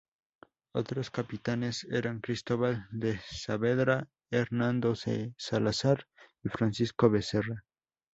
Otros capitanes eran Cristóbal de Saavedra, Hernando de Salazar y Francisco Becerra.